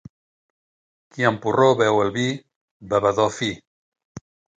Qui amb porró beu el vi, bevedor fi.